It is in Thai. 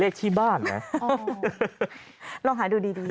คิดว่านพระ